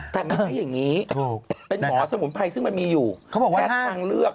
แต่มันใช้อย่างนี้เป็นหมอสมุมไพรซึ่งมันมีอยู่แต่ด้านทางเลือก